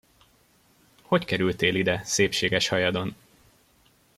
Hogy kerültél ide, szépséges hajadon?